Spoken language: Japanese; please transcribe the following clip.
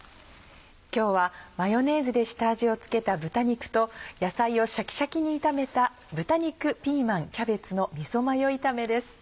今日はマヨネーズで下味を付けた豚肉と野菜をシャキシャキに炒めた「豚肉、ピーマン、キャベツのみそマヨ炒め」です。